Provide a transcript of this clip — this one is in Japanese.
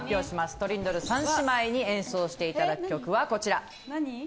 トリンドル３姉妹に演奏していただく曲はこちら。